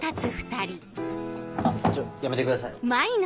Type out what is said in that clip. あっちょやめてください。